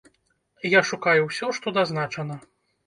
Я шукаю ўсё, што дазначана.